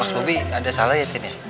mas bobby ada salah ya tin ya